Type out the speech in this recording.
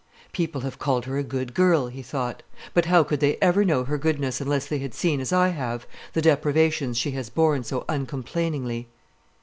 "People have called her a good girl," he thought; "but how could they ever know her goodness, unless they had seen, as I have, the deprivations she has borne so uncomplainingly?"